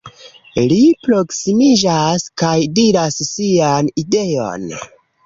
Ri proksimiĝas, kaj diras sian ideon: